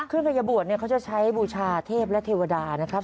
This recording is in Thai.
เครื่องกระยาบวชเขาจะใช้บูชาเทพและเทวดานะครับ